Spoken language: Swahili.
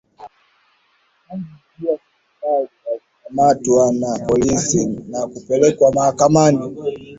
kama maadui wa serikali Walikamatwa na polisi na kupelekwa mahakamani